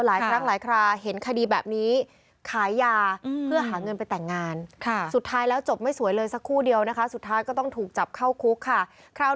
หลายครั้งหลายครา